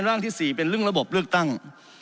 ร่างที่๔เป็นเรื่องระบบเลือกตั้ง